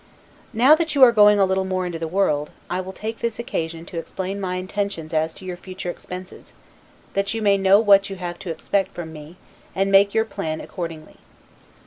Now that you are going a little more into the world; I will take this occasion to explain my intentions as to your future expenses, that you may know what you have to expect from me, and make your plan accordingly.